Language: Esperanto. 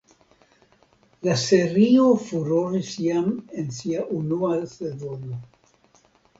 La serio furoris jam en sia unua sezono.